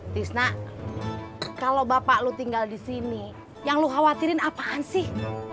tisna kalau bapak lo tinggal di sini yang lo khawatirin apaan sih